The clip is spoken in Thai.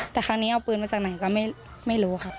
แต่ครั้งนี้เอาปืนมาจากไหนก็ไม่รู้ครับ